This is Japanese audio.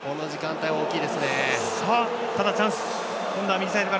この時間帯は、大きいですね。